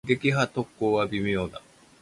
撃破特攻は微妙だ。